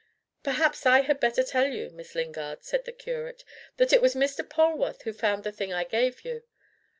"Perhaps I had better tell you, Miss Lingard," said the curate, "that it was Mr. Polwarth who found the thing I gave you.